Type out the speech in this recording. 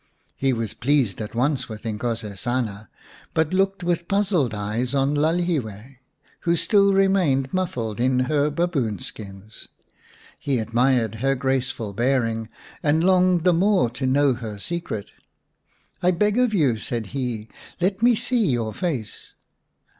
He was pleased at once with Inkosesana, but looked with puzzled eyes on Lalhiwe, who still remained muffled in her 146 xii Baboon Skins baboon skins. He admired her graceful bearing, and longed the more to know her secret. " I beg of you," said he, " let me see your face."